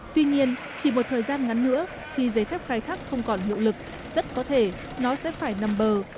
tuy nhiên chỉ một thời gian ngắn nữa khi giấy phép khai thác không còn hiệu lực rất có thể nó sẽ phải nằm bờ